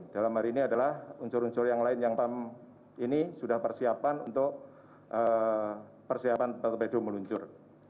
dalam hari ini adalah unsur unsur yang lain yang pam ini sudah persiapan untuk persiapan pelpedo meluncur